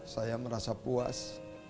saya merasa puas